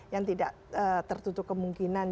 yang tidak tertutup kemungkinan